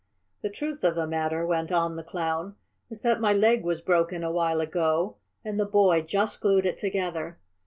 "The truth of the matter," went on the Clown, "is that my leg was broken a while ago, and the boy just glued it together."